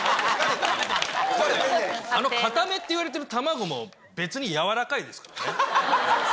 あの固めって言われてる卵も別に柔らかいですからね。